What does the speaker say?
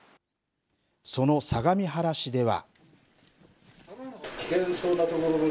その相模原市では。